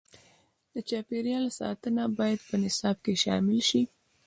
د چاپیریال ساتنه باید په نصاب کې شامل شي.